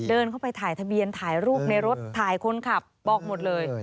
เดินเข้าไปถ่ายทะเบียนถ่ายรูปในรถถ่ายคนขับบอกหมดเลย